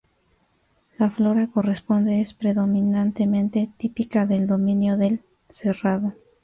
La flora corresponde es predominantemente típica del dominio del "Cerrado".